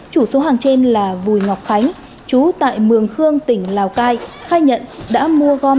chủ số hàng trên là vùi ngọc khánh chú tại mường khương tỉnh lào cai khai nhận đã mua gom